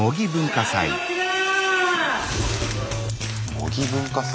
模擬文化祭？